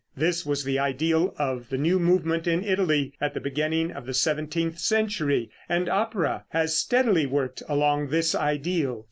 This was the ideal of the new movement in Italy at the beginning of the seventeenth century, and opera has steadily worked along this ideal.